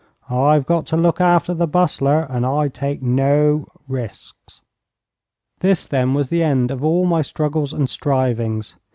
I've got to look after the Bustler, and I take no risks.' This, then, was the end of all my struggles and strivings.